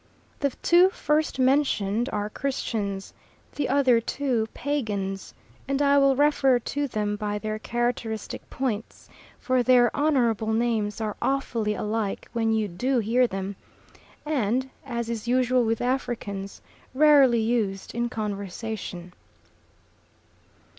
The two first mentioned are Christians; the other two pagans, and I will refer to them by their characteristic points, for their honourable names are awfully alike when you do hear them, and, as is usual with Africans, rarely used in conversation.